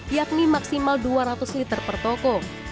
yakni maksimal rp dua ratus per toko